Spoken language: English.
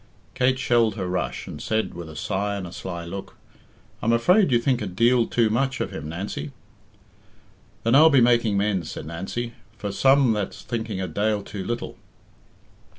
Kate shelled her rush, and said, with a sigh and a sly look, "I'm afraid you think a deal too much of him, Nancy." "Then I'll be making mends," said Nancy, "for some that's thinking a dale too little."